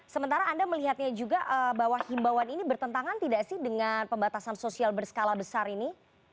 sementara anda melihatnya juga bahwa himbauan ini bertentangan tidak sih dengan pembatasan sosial berskala besar ini